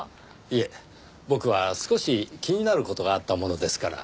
いえ僕は少し気になる事があったものですから。